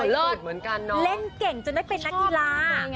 เล่นเก่งจนได้เป็นนักกีฬา